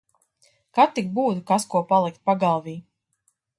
Kad tik būtu kas ko palikt pagalvī.